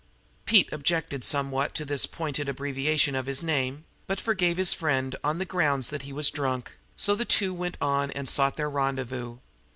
Pete objected somewhat to this pointed abbreviation of his name, but forgave his friend on the grounds that he was drunk; so the two went on and sought their rendezvous.